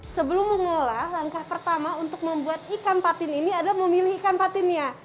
sebelum mengolah langkah pertama untuk membuat ikan patin ini adalah memilih ikan patinnya